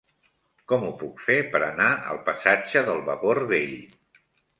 Com ho puc fer per anar al passatge del Vapor Vell?